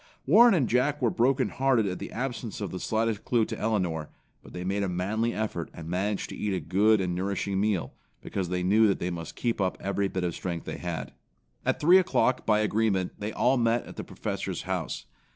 Warren and Jack were broken hearted at the absence of the slightest clue to Elinor, but they made a manly effort and managed to eat a good and nourishing meal, because they knew that they must keep up every bit of strength they had. At three o'clock by agreement they all met at the Professor's house.